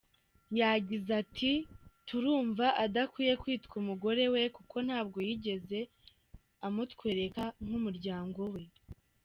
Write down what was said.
Yagize ati “…Turumva adakwiye kwitwa umugore we kuko ntabwo yigeze umutwereka nk’ umuryango we”.